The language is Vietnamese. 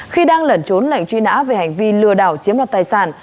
khi đang lẩn trốn lệnh truy nã về hành vi lừa đảo chiếm đoạt tài sản